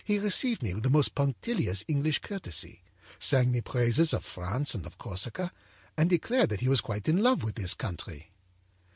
âHe received me with the most punctilious English courtesy, sang the praises of France and of Corsica, and declared that he was quite in love with this country.